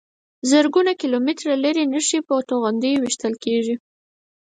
زرګونه کیلومتره لرې نښې په توغندیو ویشتل کېږي.